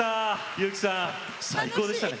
由紀さん最高でしたね。